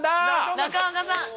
中岡さん。